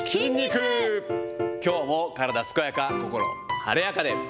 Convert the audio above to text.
きょうも体健やか、心晴れやかで。